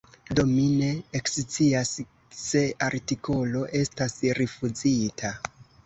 Do mi ne ekscias, se artikolo estas rifuzita.